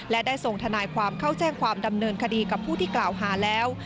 และได้ส่งทนายความเข้าแจ้งความดำเนินคดีกับผู้ที่กล่าวหาแล้ว